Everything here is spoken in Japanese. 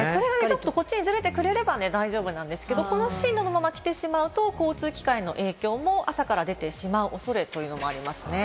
ちょっとこっちにずれてくれれば大丈夫ですけど、この進路のまま来てしまうと交通機関の影響も朝から出てしまう恐れがあります。